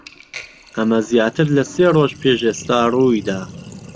ئەمە زیاتر لە سێ ڕۆژ پێش ئێستا ڕووی دا.